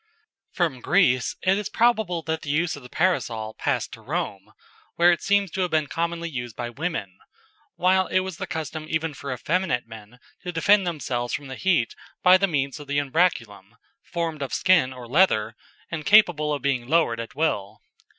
"] From Greece it is probable that the use of the Parasol passed to Rome, where it seems to have been commonly used by women, while it was the custom even for effeminate men to defend themselves from the heat by means of the Umbraculum, formed of skin or leather, and capable of being lowered at will.